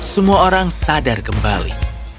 semua orang sadar kembali